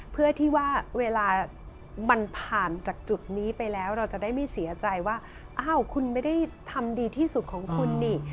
เพื่อที่ว่าเวลามันผ่านจากจุดนี้ไปแล้วเราจะได้ไม่เสียใจว่าอ้าวคุณไม่ได้ทำดีที่สุดของคุณนี่